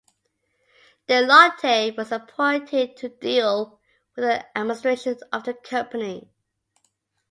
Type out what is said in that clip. Deloitte were appointed to deal with the administration of the company.